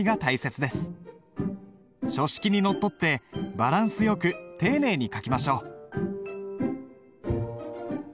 書式にのっとってバランスよく丁寧に書きましょう。